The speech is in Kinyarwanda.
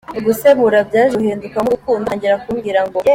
ugusemura byaje guhindukamo urukundo, atangira kumbwira ngo